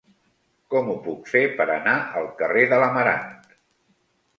Com ho puc fer per anar al carrer de l'Amarant?